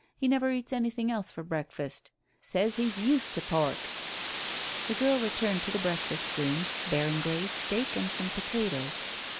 He never eats anything else for breakfast. Says he's used to pork." The girl returned to the breakfast room bearing Grey's steak and some potatoes.